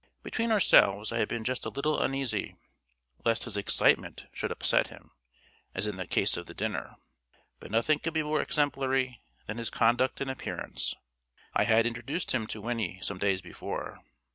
Between ourselves, I had been just a little uneasy lest his excitement should upset him, as in the case of the dinner; but nothing could be more exemplary than his conduct and appearance. I had introduced him to Winnie some days before.